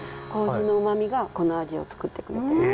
糀のうまみがこの味をつくってくれてます。